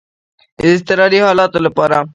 د اضطراري حالاتو لپاره.